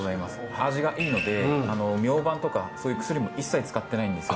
味がいいのでミョウバンとかそういう薬も一切使ってないんですよ。